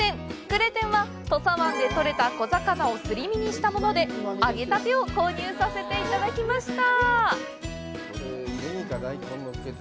くれ天は、土佐湾で取れた小魚をすり身にしたもので揚げたてを購入させていただきました。